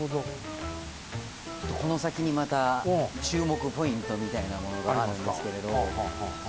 ちょっとこのさきにまたちゅうもくポイントみたいなものがあるんですけれど。